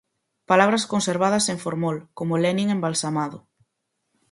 Palabras conservadas en formol, como Lenin embalsamado